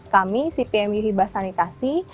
kami cpmu hibah sanitasi